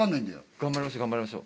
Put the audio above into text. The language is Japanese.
頑張りましょう頑張りましょう。